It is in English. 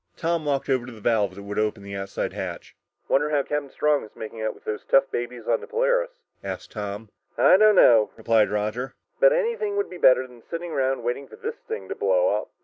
Tom walked over to the valve that would open the outside hatch. "Wonder how Captain Strong is making out with those tough babies on the Polaris?" asked Tom. "I don't know," replied Roger, "but anything would be better than sitting around waiting for this thing to blow up!"